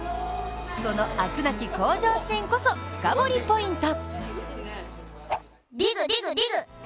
その飽くなき向上心こそ、深掘りポイント。